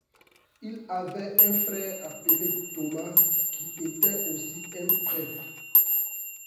Il avait un frère appelé Thomas qui était aussi un prêtre.